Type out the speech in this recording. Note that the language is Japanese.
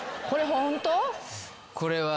これは。